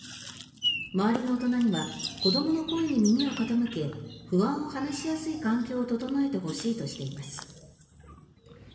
周りの大人には子どもの声に耳を傾け不安を話しやすい環境を整えてほしいとしています。